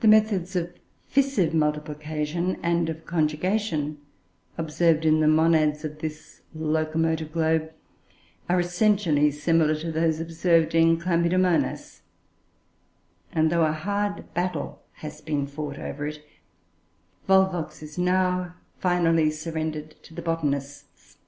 The methods of fissive multiplication and of conjugation observed in the monads of this locomotive globe are essentially similar to those observed in Chlamydomonas; and, though a hard battle has been fought over it, Volvox is now finally surrendered to the Botanists.